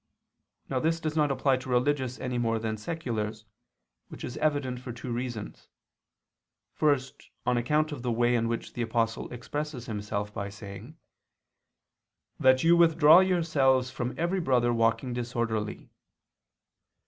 Now this does not apply to religious any more than to seculars, which is evident for two reasons. First, on account of the way in which the Apostle expresses himself, by saying: "That you withdraw yourselves from every brother walking disorderly."